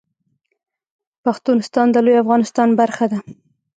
پښتونستان د لوی افغانستان برخه ده